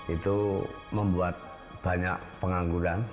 itu membuat banyak pengangguran